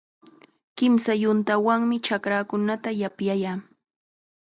Kimsa yuntawanmi chakraakunata yapyayaa.